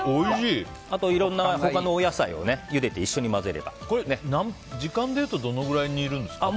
あといろんな他のお野菜をゆでて時間でいうとどれぐらい煮るんですか。